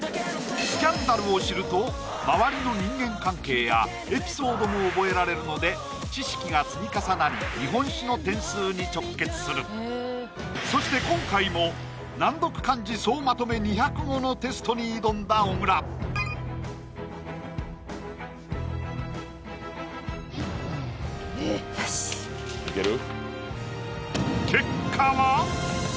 スキャンダルを知ると周りの人間関係やエピソードも覚えられるので知識が積み重なり日本史の点数に直結するそして今回も難読漢字総まとめ２００語のテストに挑んだ小倉いける？